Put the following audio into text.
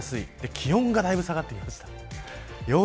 気温がだいぶ下がってきます。